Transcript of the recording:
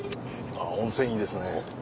あぁ温泉いいですね。